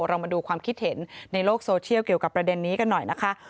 เรามาดูความคิดเห็นในโลกโซเชียลเกี่ยวกับประเด็นนี้กันหน่อยนะคะ